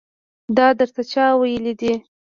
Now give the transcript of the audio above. دا درته چا ويلي دي.